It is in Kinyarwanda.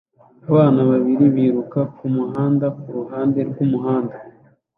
Abana babiri biruka kumuhanda kuruhande rwumuhanda